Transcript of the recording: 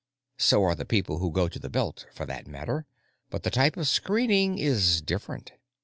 So are the people who go to the Belt, for that matter, but the type of screening is different.